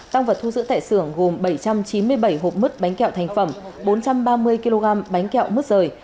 tăng vật thu giữ tại xưởng gồm bảy trăm chín mươi bảy hộp mứt bánh kẹo thành phẩm bốn trăm ba mươi kg bánh kẹo mứt rời